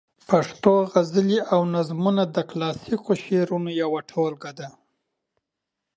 پښتو غزلونه او نظمونه د کلاسیک شعرونو ټولګه ده.